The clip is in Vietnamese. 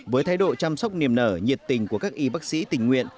với thay đội chăm sóc niềm nở nhiệt tình của các y bác sĩ tình nguyện